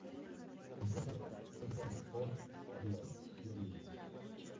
Tocó tierra cerca de Port Charlotte en Florida.